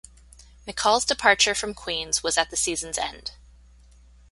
McCall's departure from Queens was at the season's end.